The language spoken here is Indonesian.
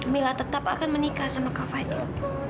mila tetap akan menikah sama kak fadil